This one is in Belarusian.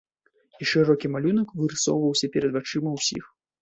І шырокі малюнак вырысоўваўся перад вачыма ўсіх.